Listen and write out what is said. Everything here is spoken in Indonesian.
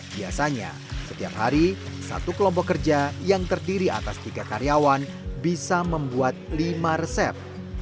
biasanya setiap hari satu kelompok kerja yang terdiri atas tiga karyawan bisa membuat lima resep